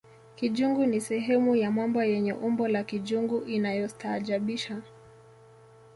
kijungu ni sehemu ya mwamba yenye umbo la kijungu inayostaajabisha